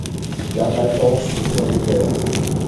L’harmattan souffle en hiver.